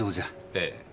ええ。